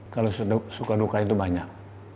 kalau suka duka itu banyak